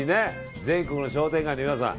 全国の商店街の皆さん